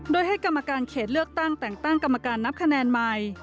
โดยให้กรรมการเขตเลือกตั้งแต่งตั้งกรรมการนับคะแนนใหม่